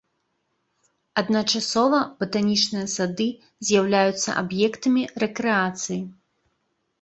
Адначасова батанічныя сады з'яўляюцца аб'ектамі рэкрэацыі.